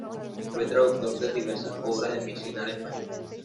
Fue traductor de diversas obras de medicina al español.